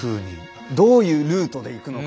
どういうルートで行くのか。